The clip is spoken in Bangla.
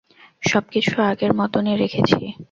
সবকিছু আগের মতোন-ই রেখেছি।